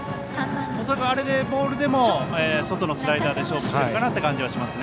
恐らくあれでボールでも外のスライダーで勝負するかなという感じがします。